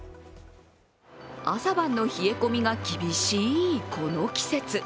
朝晩の冷え込みが厳しい、この季節。